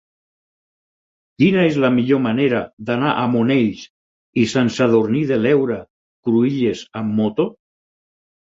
Quina és la millor manera d'anar a Monells i Sant Sadurní de l'Heura Cruïlles amb moto?